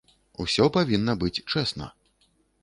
Усё павінна быць чэсна.